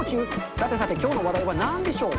さてさてきょうの話題はなんでしょう？